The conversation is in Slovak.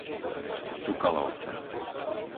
Čukalovce